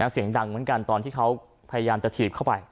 เสียงดังเหมือนกันตอนที่เขาพยายามจะถีบเข้าไป